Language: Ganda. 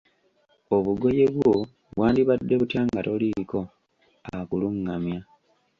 Obugoye bwo bwandibadde butya nga toliiko akulungamya?